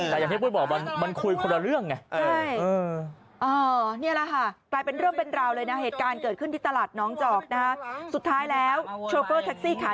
แต่อย่างที่ปุ้ยบอกมันคุยคนละเรื่องไง